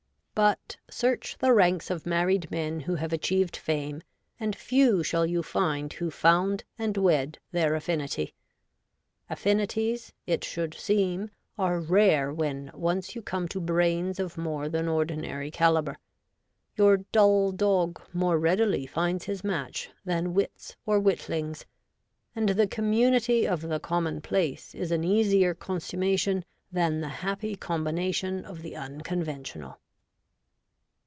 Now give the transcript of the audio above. io8 REVOLTED WOMAN. But search the ranks of married men who have achieved fame, and few shall you find who found, and wed, their affinity. Affinities, it should seem, are rare when once you come to brains of more than ordinary calibre : your dull dog more readily finds his match than wits or witlings, and the community of the commonplace is an easier con summation than the happy combination of the unconventional.